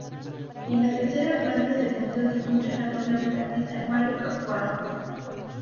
En la tercera planta del museo se muestran las obras del artista Mario Capuano.